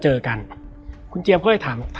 แล้วสักครั้งหนึ่งเขารู้สึกอึดอัดที่หน้าอก